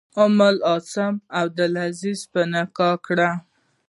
ام عاصم عبدالعزیز په نکاح کړه.